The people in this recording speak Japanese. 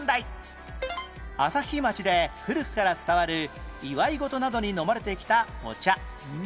朝日町で古くから伝わる祝い事などに飲まれてきたお茶